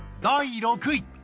第６位。